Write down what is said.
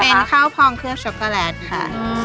เป็นข้าวพองเครื่องช็อกโกแลตค่ะ